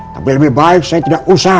tapi lebih baik saya tidak usah